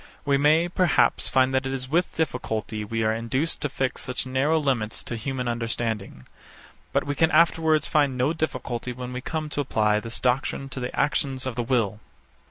We may, perhaps, find that it is with difficulty we are induced to fix such narrow limits to human understanding: But we can afterwards find no difficulty when we come to apply this doctrine to the actions of the will.